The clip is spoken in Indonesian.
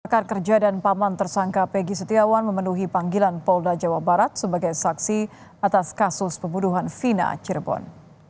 rekan kerja dan paman tersangka pegi setiawan memenuhi panggilan polda jawa barat sebagai saksi atas kasus pembunuhan vina cirebon